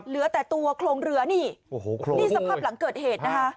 เหลือแต่ตัวโครงเรือนี่โอ้โหนี่สภาพหลังเกิดเหตุนะคะ